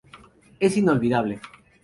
Es inviolable.